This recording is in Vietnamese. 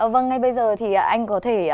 vâng ngay bây giờ thì anh có thể